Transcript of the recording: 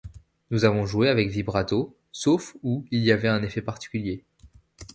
Nous avons joué avec vibrato, sauf où il y avait un effet particulier.